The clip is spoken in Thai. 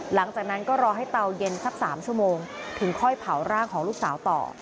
หลังจากนั้นก็รอให้เตาเย็นสัก๓ชั่วโมงถึงค่อยเผาร่างของลูกสาวต่อ